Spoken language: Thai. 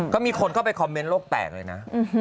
ก็มีคนเข้าไปคอมเมนต์โลกแตกเลยนะ